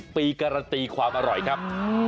ปีการันตีความอร่อยครับ